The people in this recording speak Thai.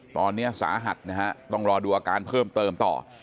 ตอนนี้สาหัสนะฮะต้องรอดูอาการเพิ่มเติมต่อ